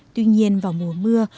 tuy nhiên vào mùa mưa